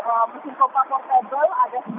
terus tidak di hujan deras disertai angin